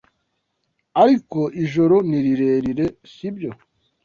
Ariko ijoro ni rirerire, sibyo?